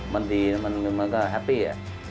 มันดีนะมันก็แฮปปี้